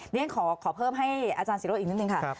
นี่ขอเพิ่มให้อาจารย์ศิรษฐ์อีกนิดหนึ่งค่ะ